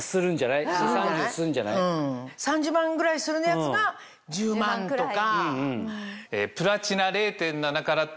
３０万ぐらいするようなやつが１０万とか。